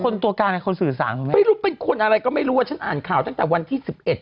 ไม่รู้เป็นคนอะไรก็ไม่รู้ว่าฉันอ่านข่าวตั้งแต่วันที่สิบเอ็ด